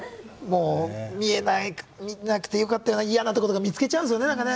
見なくてよかったような嫌なとことか見つけちゃうんですよねなんかね。